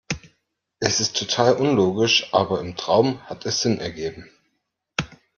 Es ist total unlogisch, aber im Traum hat es Sinn ergeben.